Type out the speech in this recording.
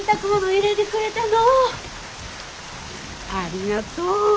ありがとう。